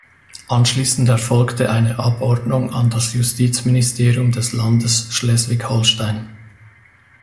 Anschließend erfolgte eine Abordnung an das Justizministerium des Landes Schleswig-Holstein.